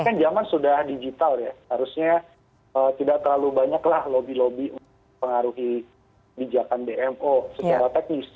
kan zaman sudah digital ya harusnya tidak terlalu banyak lah lobby lobby untuk pengaruhi bijakan dmo secara teknis